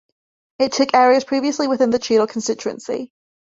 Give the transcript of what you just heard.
It took areas previously within the Cheadle constituency.